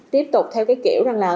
tiếp tục theo cái kiểu rằng là